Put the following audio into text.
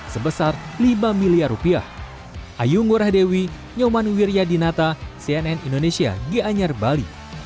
sebesar lima miliar rupiah